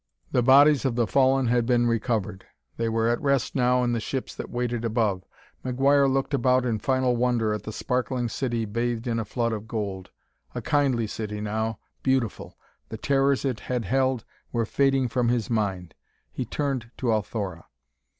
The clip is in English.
The bodies of the fallen had been recovered; they were at rest now in the ships that waited above. McGuire looked about in final wonder at the sparkling city bathed in a flood of gold. A kindly city now beautiful; the terrors it had held were fading from his mind. He turned to Althora.